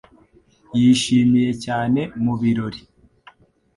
Yishimiye cyane mu birori.